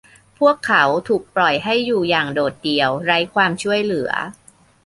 พวกเขาถูกปล่อยให้อยู่อย่างโดดเดี่ยวไร้ความช่วยเหลือ